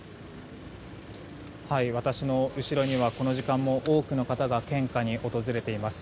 私の後ろには、この時間も多くの方が献花に訪れています。